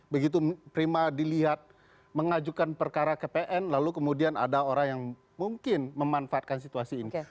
begitu prima dilihat mengajukan perkara ke pn lalu kemudian ada orang yang mungkin memanfaatkan situasi ini